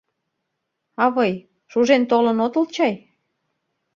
— Авый, шужен толын отыл чай?